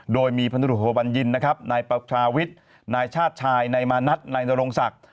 โดยมีพันธุบัญญินนะครับนายประชาวิทย์นายชาติชายนายมานัดนายนรงศักดิ์